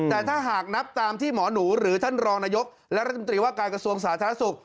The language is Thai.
แต่ถ้าหากนับตามที่หมอหนูหรือท่านรองนายกและรัฐมนตรีว่าการกระทรวงสาธารณสุข